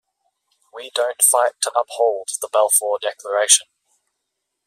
We don't fight to uphold the Balfour Declaration.